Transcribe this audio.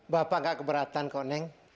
bapak gak keberatan kok neng